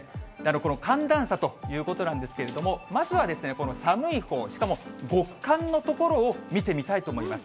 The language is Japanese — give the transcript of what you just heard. この寒暖差ということなんですけれども、まずはこの寒いほう、しかも極寒の所を見てみたいと思います。